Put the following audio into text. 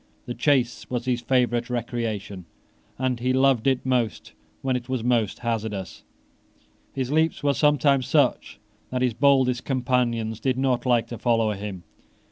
The chase was his favourite recreation; and he loved it most when it was most hazardous. His leaps were sometimes such that his boldest companions did not like to follow him.